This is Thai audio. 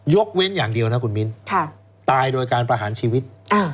เว้นอย่างเดียวนะคุณมิ้นตายโดยการประหารชีวิต